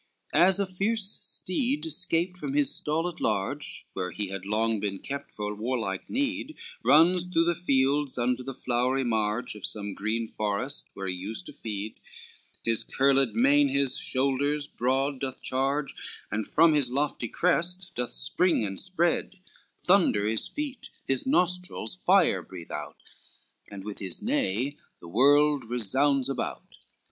LXXV As a fierce steed 'scaped from his stall at large, Where he had long been kept for warlike need, Runs through the fields unto the flowery marge Of some green forest where he used to feed, His curled mane his shoulders broad doth charge And from his lofty crest doth spring and spreed, Thunder his feet, his nostrils fire breathe out, And with his neigh the world resounds about.